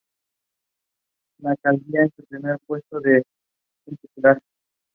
La alcaldía es su primera puesto de elección popular.